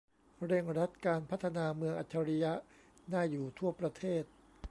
เร่งรัดการพัฒนาเมืองอัจฉริยะน่าอยู่ทั่วประเทศ